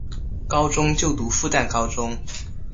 高中就读复旦高中。